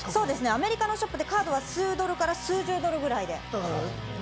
アメリカのショップでカードは数ドルから数十ドルぐらいで。